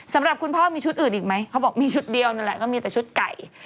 สำหรับคุณพ่อมีชุดอื่นอีกไหมเขาบอกมีชุดเดียวนั่นแหละก็มีแต่ชุดไก่